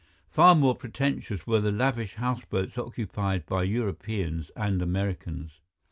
Far more pretentious were the lavish houseboats occupied by Europeans and Americans.